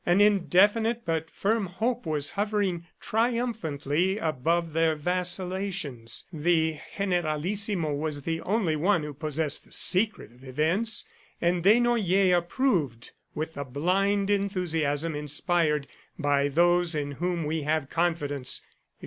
An indefinite but firm hope was hovering triumphantly above their vacillations. The Generalissimo was the only one who possessed the secret of events. And Desnoyers approved with the blind enthusiasm inspired by those in whom we have confidence.